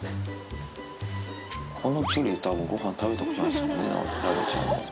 この距離でたぶん、ごはん食べたことないですよね、ラミちゃんの。